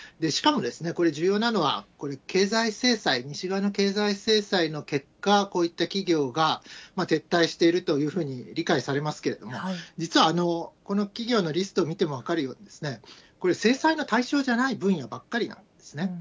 しかも、これ、重要なのは、経済制裁、西側の経済制裁の結果、こういった企業が撤退しているというふうに理解されますけれども、実は、この企業のリストを見ても分かるように、これ、制裁の対象じゃない分野ばっかりなんですね。